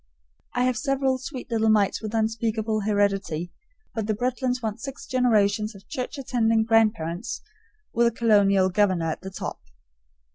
I have several sweet little mites with unspeakable heredity, but the Bretlands want six generations of church attending grandparents, with a colonial governor at the top.